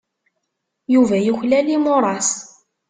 Yuba yuklal imuras.